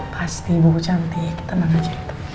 pasti bu aku cantik tenang aja